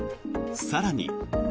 更に。